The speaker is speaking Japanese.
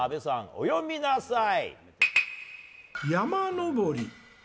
お詠みなさい！